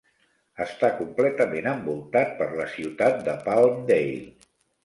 Està completament envoltat per la ciutat de Palmdale.